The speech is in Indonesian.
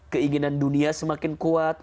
keinginan dunia semakin kuat